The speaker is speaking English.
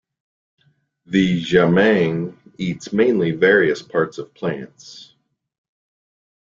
The siamang eats mainly various parts of plants.